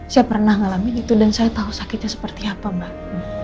saya pernah mengalami itu dan saya tahu sakitnya seperti apa mbak